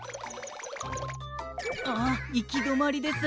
あっいきどまりです。